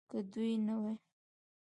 که دوی نه وي